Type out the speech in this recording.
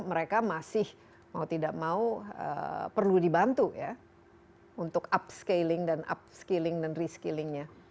mereka masih mau tidak mau perlu dibantu ya untuk upscaling dan upskilling dan reskillingnya